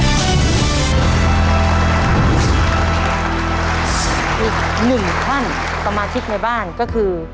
อีกหนึ่งท่านสมาชิกในบ้านก็คือ